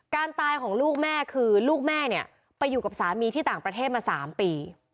การตายของลูกแม่คือลูกแม่เนี่ยไปอยู่กับสามีที่ต่างประเทศมา๓ปี